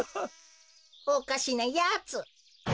おかしなやつ。